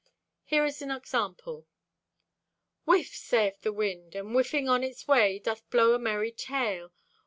Here is an example: Whiff, sayeth the wind, And whiffing on its way, doth blow a merry tale.